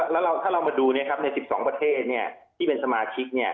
แล้วถ้าเรามาดูใน๑๒ประเทศที่เป็นสมาชิก